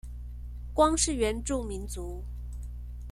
光是原住民族